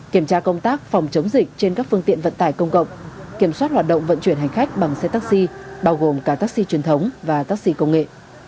kiểm tra công tác phòng chống dịch trên các phương tiện vận tải công cộng kiểm soát hoạt động vận chuyển hành khách bằng xe taxi bao gồm cả taxi truyền thống và taxi công nghệ